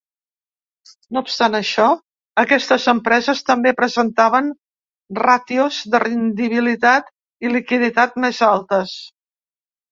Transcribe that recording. No obstant això, aquestes empreses també presentaven ràtios de rendibilitat i liquiditat més altes.